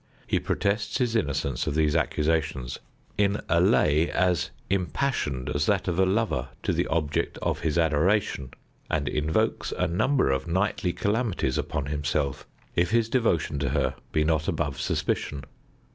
He protests his innocence of these accusations in a lay as impassioned as that of a lover to the object of his adoration, and invokes a number of knightly calamities upon himself if his devotion to her be not above suspicion.